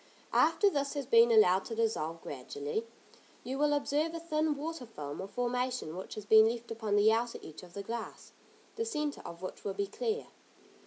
After this has been allowed to dissolve gradually, you will observe a thin water film or formation which has been left upon the outer edge of the glass, the centre of which will be clear.